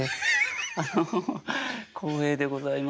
あの光栄でございます。